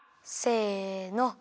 せの。